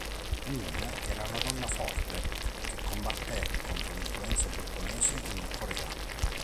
Min era una donna forte, che combatté contro l'influenza giapponese in Corea.